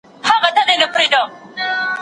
استازي د بیان ازادۍ لپاره څه کوي؟